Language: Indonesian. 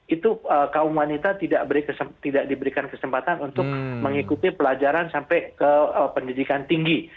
itu kaum wanita tidak diberikan kesempatan untuk mengikuti pelajaran sampai ke pendidikan tinggi